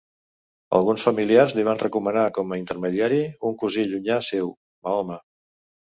Alguns familiars li van recomanar com a intermediari un cosí llunyà seu, Mahoma.